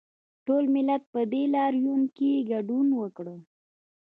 ټول ملت په دې لاریون کې ګډون وکړ